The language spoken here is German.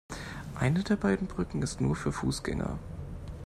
Eine der beiden Brücken ist nur für Fußgänger.